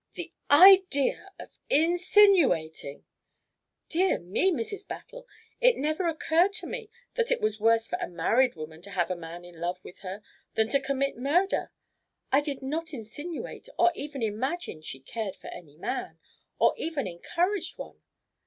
The idea of insinuating " "Dear me, Mrs. Battle, it never occurred to me that it was worse for a married woman to have a man in love with her than to commit murder. I did not insinuate or even imagine she cared for any man, or even encouraged one.